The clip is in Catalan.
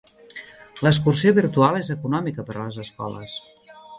L'excursió virtual és econòmica per a les escoles.